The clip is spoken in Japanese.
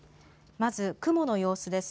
まず雲の様子です。